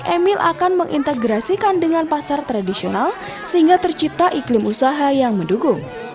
emil akan mengintegrasikan dengan pasar tradisional sehingga tercipta iklim usaha yang mendukung